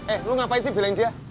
eh lo ngapain sih belain dia